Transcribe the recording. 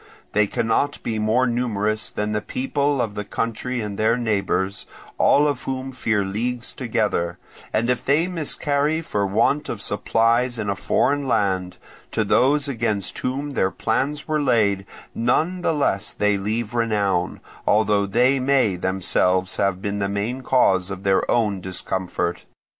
They cannot be more numerous than the people of the country and their neighbours, all of whom fear leagues together; and if they miscarry for want of supplies in a foreign land, to those against whom their plans were laid none the less they leave renown, although they may themselves have been the main cause of their own discomfort.